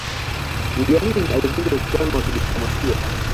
idi amini alivunja uhusiano wa kidiplomasia